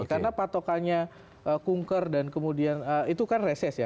karena patokannya kunker dan kemudian itu kan reses ya